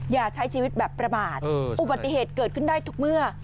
อย่าใช้ชีวิตแบบประมาทอุบัติเหตุเกิดขึ้นได้ทุกเมื่อ